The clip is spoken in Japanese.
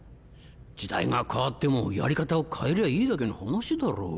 時代が変わってもやり方を変えりゃいいだけの話だろ。